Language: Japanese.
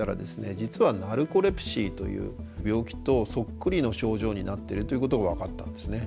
実はナルコレプシーという病気とそっくりの症状になってるということが分かったんですね。